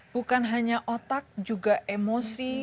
bukan hanya otak juga emosi